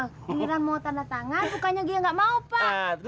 giliran mau tanda tangan bukannya dia nggak mau pak